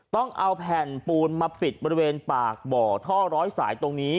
ต้องเอาแผ่นปูนมาปิดบริเวณปากบ่อท่อร้อยสายตรงนี้